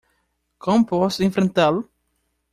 Como posso enfrentá-lo?